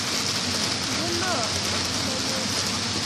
ikenoo amu anyone